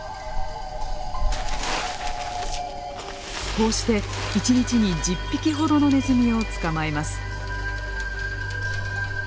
こうして一日に１０匹ほどのネズミを捕まえます。